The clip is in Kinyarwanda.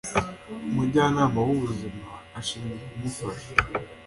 umujyanama w'ubuzima ashinzwe kumufasha